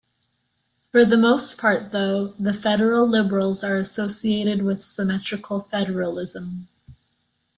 For the most part though, the federal Liberals are associated with symmetrical federalism.